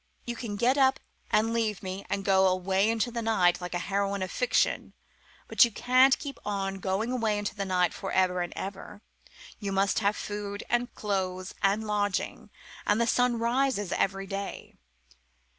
You can get up and leave me, and go 'away into the night,' like a heroine of fiction but you can't keep on going away into the night for ever and ever. You must have food and clothes and lodging. And the sun rises every day.